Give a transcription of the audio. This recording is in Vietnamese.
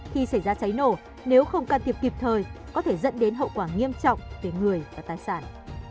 khi xảy ra cháy nổ nếu không can thiệp kịp thời có thể dẫn đến hậu quả nghiêm trọng về người và tài sản